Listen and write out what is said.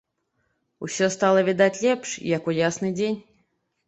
Усё стала відаць лепш, як у ясны дзень.